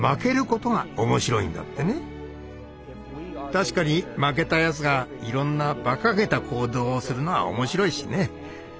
確かに負けたやつがいろんなバカげた行動をするのは面白いしね。